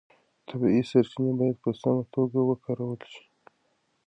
طبیعي سرچینې باید په سمه توګه وکارول شي.